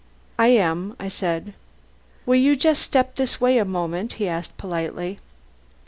"I am," I said. "Will you just step this way a moment?" he asked politely.